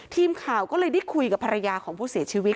ทีมข่าวก็เลยได้คุยกับภรรยาของผู้เสียชีวิต